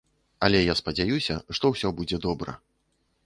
Але я спадзяюся, што ўсё будзе добра.